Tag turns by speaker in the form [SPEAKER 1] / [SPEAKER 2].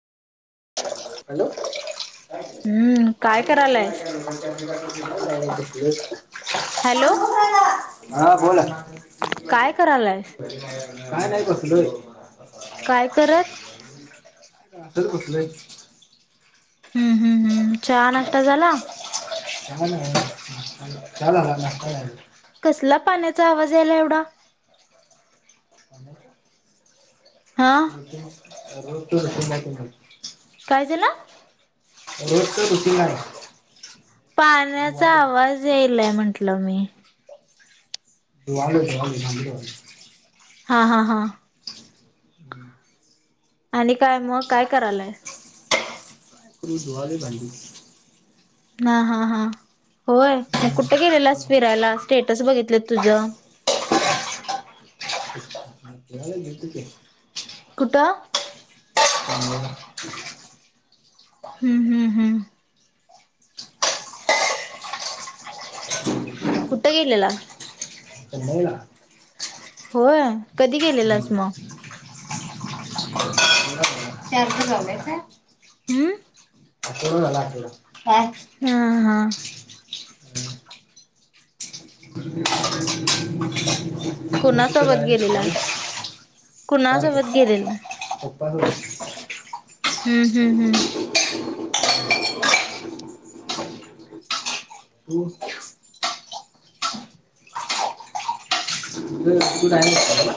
[SPEAKER 1] हम्म काय
[SPEAKER 2] [unintelligible]
[SPEAKER 1] करायलायस
[SPEAKER 2] [unintelligible]
[SPEAKER 1] हॅलो
[SPEAKER 2] हा बोला,
[SPEAKER 1] काय करायलायस
[SPEAKER 2] काय नाही बसलोय.
[SPEAKER 1] काय करत.
[SPEAKER 2] तसंच बसलोय.
[SPEAKER 1] हम्म हम हम्.
[SPEAKER 2] काय नाही. चहा, नाष्टा झाला.
[SPEAKER 1] कसला पाण्याचा आवाज यायला एवढा!
[SPEAKER 2] [inaudible]
[SPEAKER 1] हा.
[SPEAKER 2] [unintelligible]
[SPEAKER 1] काय झाला?
[SPEAKER 2] रोजच रुटिंग आहे.
[SPEAKER 1] पाण्याचा
[SPEAKER 2] धुवालोय
[SPEAKER 1] आवाज यायलाय म्हंटलं मी.
[SPEAKER 2] धुवालोय होय. भांडी धुवाले.
[SPEAKER 1] हा हा हा
[SPEAKER 2] [inaudible]
[SPEAKER 1] आणि काय मग काय करायलाय?
[SPEAKER 2] मी धुवालोय भाडी.
[SPEAKER 1] ह हा हा होय, मग कुठ गेलेलास फिरायला स्टेटस बघितलेत तुझं?
[SPEAKER 2] फिरायला गेलतो कि,
[SPEAKER 1] कुठ?
[SPEAKER 2] हमम
[SPEAKER 1] हम्म हम्म हम् कुठं गेलेला?
[SPEAKER 2] चनाई ला.
[SPEAKER 1] होय, कधी गेलेलास मग?
[SPEAKER 2] [unintelligible] चारग झालंय काय
[SPEAKER 1] हम्म
[SPEAKER 2] आठवडा झाला आठवडा. काय?
[SPEAKER 1] हा हा
[SPEAKER 2] हम्म. तू कुठं
[SPEAKER 1] कुणासोबत
[SPEAKER 2] जायला
[SPEAKER 1] गेलेलास?
[SPEAKER 2] शिकायला? पप्पा रे.
[SPEAKER 1] कुणासोबत गेलेला?
[SPEAKER 2] पप्पा सोबत.
[SPEAKER 1] हम्म हम्म हम्
[SPEAKER 2] तू तुझं आहे